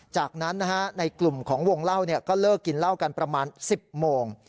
จากนั้นในกลุ่มของวงเล่าก็เลิกกินเหล้ากันประมาณ๑๐โมง